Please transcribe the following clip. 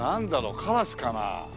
カラスかな。